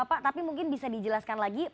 pak tapi mungkin bisa dijelaskan lagi